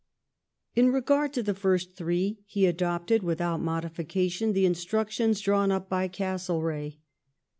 4 In regard to the first three he adopted without modification the t instructions drawn up by Castlereagh.